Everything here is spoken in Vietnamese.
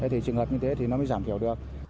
thì trường hợp như thế thì nó mới giảm thiểu được